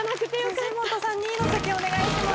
辻元さん２位の席へお願いします。